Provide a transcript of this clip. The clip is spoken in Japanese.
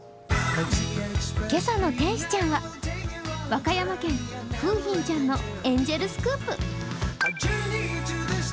今朝の天使ちゃんは和歌山県楓浜ちゃんのエンジェルスクープ。